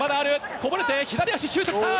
こぼれて、左足シュート来た！